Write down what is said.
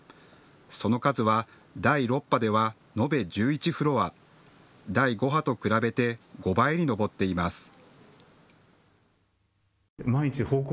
その数は第６波では延べ１１フロア、第５波と比べて５倍に上っています。